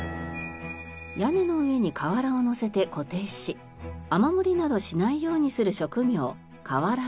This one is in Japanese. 屋根の上に瓦をのせて固定し雨漏りなどしないようにする職業